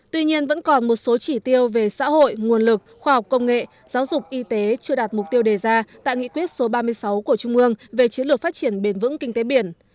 tuy nhiên vẫn còn một số chỉ tiêu về xã hội nguồn lực khoa học công nghệ giáo dục y tế chưa đạt mục tiêu đề ra tại nghị quyết số ba mươi sáu của trung ương về chiến lược phát triển bền vững kinh tế biển